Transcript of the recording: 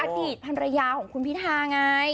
อาทิตย์พันเรื่องของคุณพิทาไง